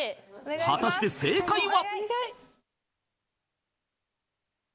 ［果たして正解は？］